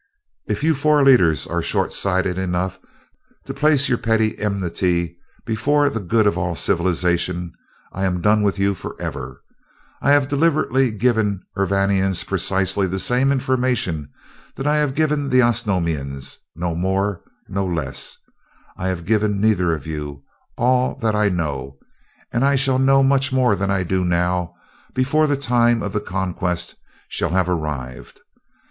"If you four leaders are short sighted enough to place your petty enmity before the good of all civilization, I am done with you forever. I have deliberately given Urvanians precisely the same information that I have given the Osnomians no more and no less. I have given neither of you all that I know, and I shall know much more than I do now, before the time of the conquest shall have arrived.